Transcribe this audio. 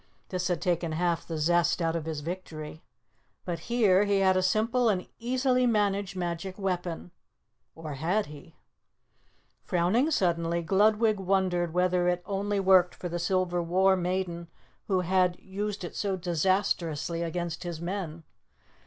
This had taken half the zest out of his victory. But here, he had a simple and easily managed magic weapon or had he? Frowning suddenly, Gludwig wondered whether it only worked for the silver war maiden who had used it so disastrously against his men.